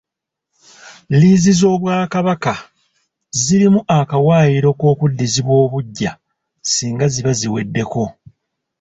Liizi z’Obwakabaka zirimu akawaayiro k'okuddizibwa obuggya singa ziba ziweddeko.